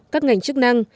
các ngành chức năng